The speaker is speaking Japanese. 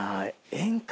演歌！